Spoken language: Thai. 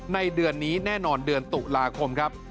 เดือนนี้แน่นอนเดือนตุลาคมครับ